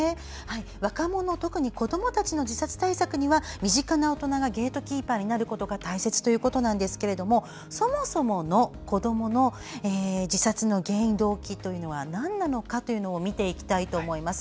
若者、特に子どもたちの自殺対策には身近な大人がゲートキーパーになることが大切ということなんですがそもそもの子どもの自殺の原因・動機はなんなのかを見ていきたいと思います。